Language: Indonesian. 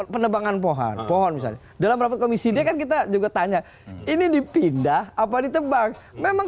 penebangan pohon pohon misalnya dalam rapat komisi d kan kita juga tanya ini dipindah apa ditebang memang